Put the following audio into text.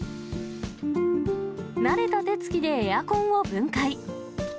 慣れた手つきでエアコンを分解。